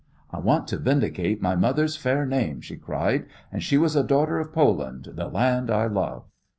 "I want to vindicate my mother's fair name," she cried, "and she was a daughter of Poland, the land I love."